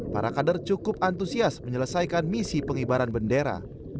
para kader cukup antusias menyelesaikan misi pengibaran bendera